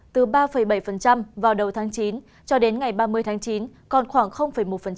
từ ba bảy vào đầu tháng chín cho đến ngày ba mươi tháng chín còn khoảng một